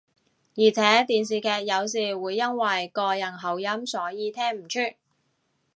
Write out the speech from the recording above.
而且電視劇有時會因為個人口音所以聽唔出